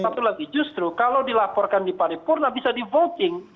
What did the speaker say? satu lagi justru kalau dilaporkan di paripurna bisa di voting